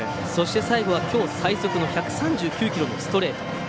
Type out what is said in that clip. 最後はきょう最速の１３９キロのストレート。